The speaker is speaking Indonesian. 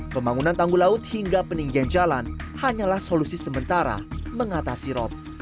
pembangunan tanggul laut hingga peninggian jalan hanyalah solusi sementara mengatasi rop